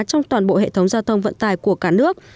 trong toàn bộ hệ thống giao thông vận tải của cả nước